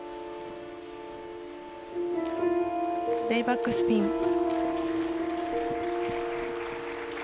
レイバックスピン。